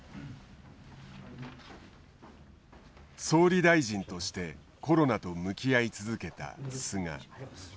総理大臣としてコロナと向き合い続けた菅。